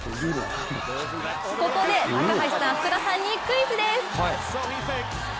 ここで高橋さん、福田さんにクイズです。